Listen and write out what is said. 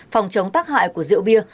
phòng chống tắc hại của rượu bia